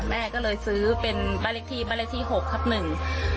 แม่ก็เลยซื้อเป็นบริกธีบริกธี๖ครับหนึ่ง